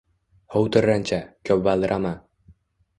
Huv tirrancha, koʻp valdirama!